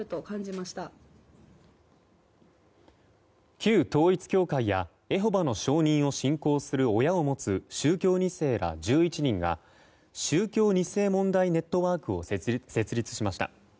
旧統一教会やエホバの証人を信仰する親を持つ宗教２世ら１１人が宗教２世問題ネットワークを設立しました。